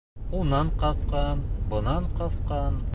Унан ҡасҡан, бынан ҡасҡан.